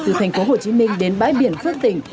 từ thành phố hồ chí minh đến bãi biển phước tỉnh